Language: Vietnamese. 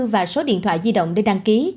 và số điện thoại di động để đăng ký